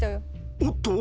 おっと！